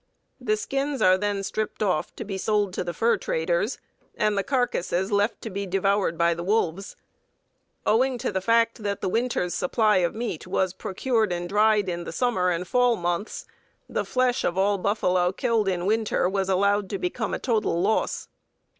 The skins are then stripped off, to be sold to the fur traders, and the carcasses left to be devoured by the wolves. [Owing to the fact that the winter's supply of meat was procured and dried in the summer and fall months, the flesh of all buffalo killed in winter was allowed to become a total loss.